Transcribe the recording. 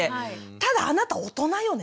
ただあなた大人よね？と。